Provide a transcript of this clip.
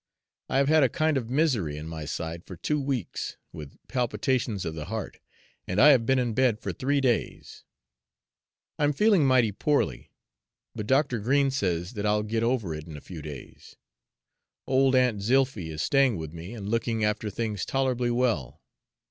I have had a kind of misery in my side for two weeks, with palpitations of the heart, and I have been in bed for three days. I'm feeling mighty poorly, but Dr. Green says that I'll get over it in a few days. Old Aunt Zilphy is staying with me, and looking after things tolerably well.